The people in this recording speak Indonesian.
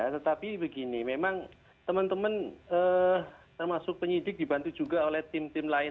tetapi begini memang teman teman termasuk penyidik dibantu juga oleh tim tim lain